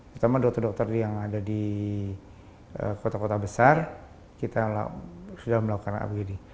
terutama dokter dokter yang ada di kota kota besar kita sudah melakukan upgrading